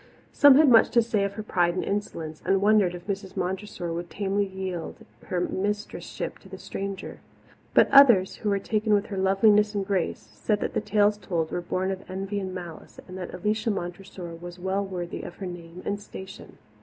Some had much to say of her pride and insolence, and wondered if Mrs. Montressor would tamely yield her mistress ship to the stranger. But others, who were taken with her loveliness and grace, said that the tales told were born of envy and malice, and that Alicia Montressor was well worthy of her name and station.